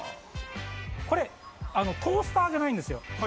トースターじゃないんですよ。